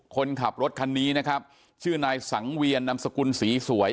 คนขับรถคันนี้นะครับชื่อนายสังเวียนนามสกุลศรีสวย